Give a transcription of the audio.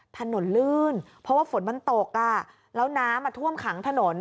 ถนนลื่นเพราะว่าฝนมันตกอ่ะแล้วน้ำมาท่วมขังถนน